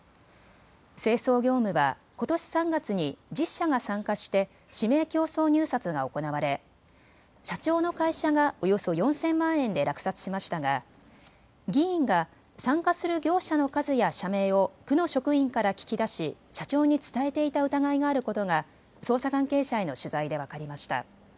清掃業務はことし３月に１０社が参加して指名競争入札が行われ社長の会社がおよそ４０００万円で落札しましたが議員が参加する業者の数や社名を区の職員から聞き出し社長に伝えていた疑いがあることが捜査関係者への取材で分かりました。